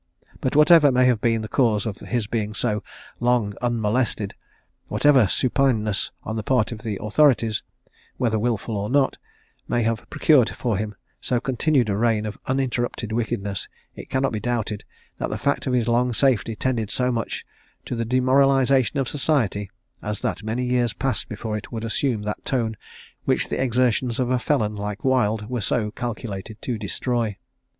but whatever may have been the cause of his being so long unmolested, whatever supineness on the part of the authorities, whether wilful or not, may have procured for him so continued a reign of uninterrupted wickedness, it cannot be doubted that the fact of his long safety tended so much to the demoralisation of society, as that many years passed before it would assume that tone, which the exertions of a felon like Wild were so calculated to destroy.